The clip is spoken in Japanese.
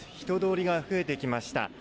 人通りが増えてきました。